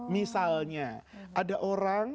misalnya ada orang